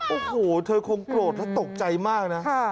โอ้โหเธอยินตอกใจมากนะ